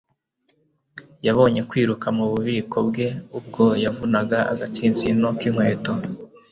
Yabonye kwiruka mububiko bwe ubwo yavunaga agatsinsino k'inkweto.